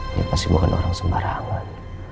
dia pasti mohon orang sembarangan